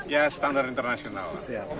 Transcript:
ya standar internasional